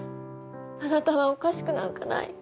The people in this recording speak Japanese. あなたはおかしくなんかない。